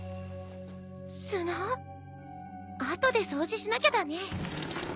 後で掃除しなきゃだね。